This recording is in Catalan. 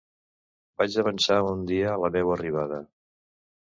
Vaig avançar un dia la meua arribada.